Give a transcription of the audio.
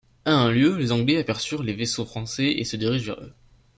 À un lieu, les Anglais aperçurent les vaisseaux français et se dirigent vers eux.